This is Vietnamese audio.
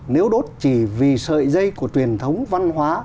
nếu đốt chỉ vì sợi dây của truyền thống văn hóa